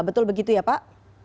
betul begitu ya pak